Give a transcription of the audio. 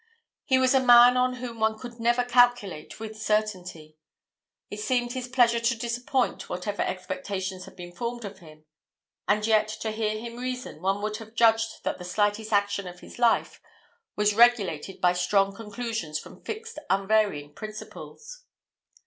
He was a man on whom one could never calculate with certainty. It seemed his pleasure to disappoint whatever expectations had been formed of him; and yet, to hear him reason, one would have judged that the slightest action of his life was regulated by strong conclusions from fixed unvarying principles.